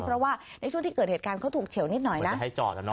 เพราะว่าในช่วงที่เกิดเหตุการณ์เขาถูกเฉียวนิดหน่อยนะ